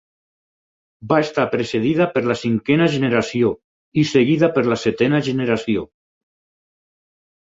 Va estar precedida per la Cinquena generació i seguida per la Setena generació.